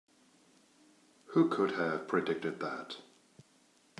Who could have predicted that?